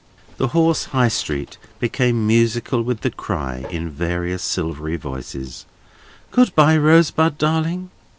The hoarse High Street became musical with the cry, in various silvery voices, "Good bye, Rosebud darling!"